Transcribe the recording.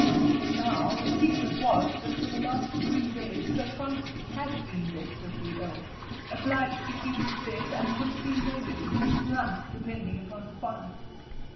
Now, the secret was, that for the last three days Sir Francis had been desperately ill, obliged to keep his bed, and could see nobody, his life depending upon quiet.